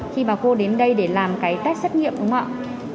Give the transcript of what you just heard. khi bà cô đến đây để làm cái test xét nghiệm đúng không ạ